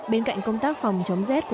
bên cạnh công tác phòng chống dét